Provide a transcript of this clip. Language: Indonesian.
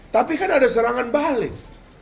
tapi kan ada serangan balik